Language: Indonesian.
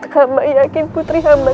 hamba yakin putri hamba